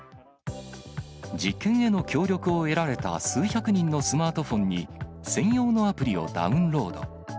実験への協力を得られた数百人のスマートフォンに、専用のアプリをダウンロード。